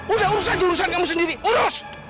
udah urusan jurusan kamu sendiri urus